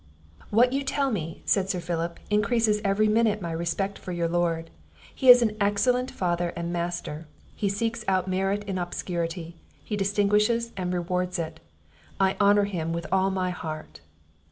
"What you tell me," said Sir Philip, "increases every minute my respect for your Lord; he is an excellent father and master, he seeks out merit in obscurity; he distinguishes and rewards it, I honour him with all my heart."